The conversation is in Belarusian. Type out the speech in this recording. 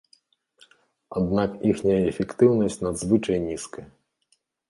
Аднак іхняя эфектыўнасць надзвычай нізкая.